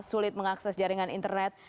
sulit mengakses jaringan internet